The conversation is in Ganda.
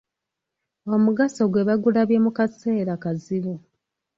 Omugaso gwe bagulabye mu kaseera kazibu.